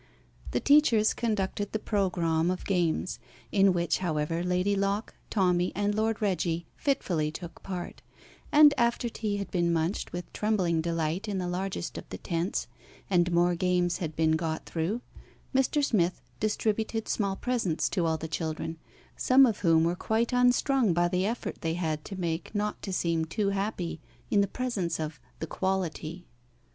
The teachers conducted the programme of games in which, however, Lady Locke, Tommy, and Lord Reggie fitfully took part; and after tea had been munched with trembling delight in the largest of the tents, and more games had been got through, Mr. Smith distributed small presents to all the children, some of whom were quite unstrung by the effort they had to make not to seem too happy in the presence of "the quality."